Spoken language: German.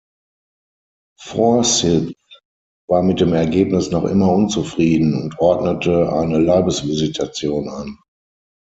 Forsyth war mit dem Ergebnis noch immer unzufrieden und ordnete eine Leibesvisitation an.